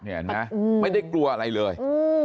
อย่างนี้นะจริงไม่ได้กลัวอะไรเลย